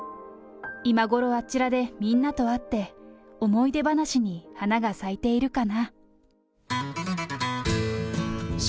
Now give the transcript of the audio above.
今ごろ、あちらでみんなと会って、思い出話に花が咲いているかな。